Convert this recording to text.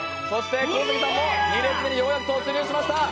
小杉さんも２列目にようやく突入しました。